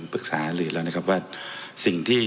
ปรึกษาเรียนแล้วนะครับว่าสิ่งที่